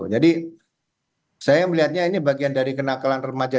jadi saya melihatnya ini bagian dari kenakalan remaja